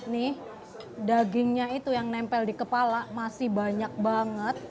nih dagingnya itu yang nempel di kepala masih banyak banget